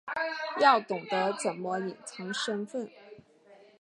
要懂得怎么隐藏身份